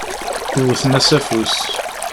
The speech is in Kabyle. Wwten-as afus.